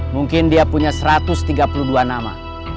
mungkin dia punya satu ratus tiga puluh dua nama